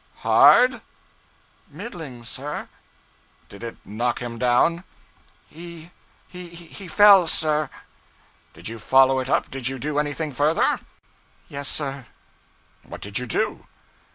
'Hard?' 'Middling, sir.' 'Did it knock him down?' 'He he fell, sir.' 'Did you follow it up? Did you do anything further?' 'Yes, sir.' 'What did you do?'